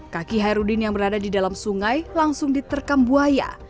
kaki hairudin yang berada di dalam sungai langsung diterkam buaya